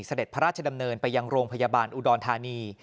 เสด็จพระราชดำเนินไปยังโรงพยาบาลอุดรธานี